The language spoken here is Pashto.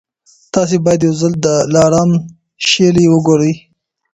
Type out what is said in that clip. تاسي باید یو ځل د دلارام شېلې وګورئ.